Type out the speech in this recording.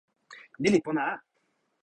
ni li pona a.